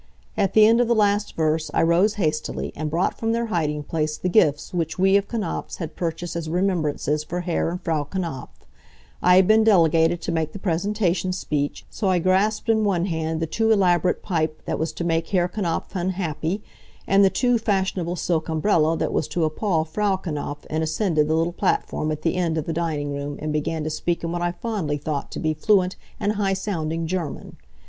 At the end of the last verse I rose hastily and brought from their hiding place the gifts which we of Knapfs' had purchased as remembrances for Herr and Frau Knapf. I had been delegated to make the presentation speech, so I grasped in one hand the too elaborate pipe that was to make Herr Knapf unhappy, and the too fashionable silk umbrella that was to appall Frau Knapf, and ascended the little platform at the end of the dining room, and began to speak in what I fondly thought to be fluent and highsounding German.